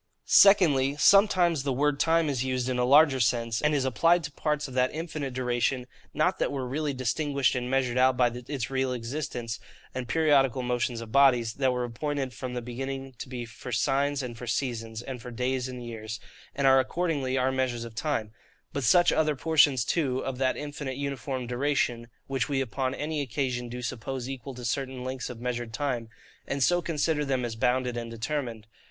SECONDLY, sometimes the word time is used in a larger sense, and is applied to parts of that infinite duration, not that were really distinguished and measured out by this real existence, and periodical motions of bodies, that were appointed from the beginning to be for signs and for seasons and for days and years, and are accordingly our measures of time; but such other portions too of that infinite uniform duration, which we upon any occasion do suppose equal to certain lengths of measured time; and so consider them as bounded and determined.